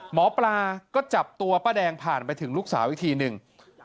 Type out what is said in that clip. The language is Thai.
หมอปลาก็จับตัวป้าแดงผ่านไปถึงลูกสาวอีกทีหนึ่ง